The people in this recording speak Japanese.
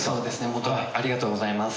ホントにありがとうございます。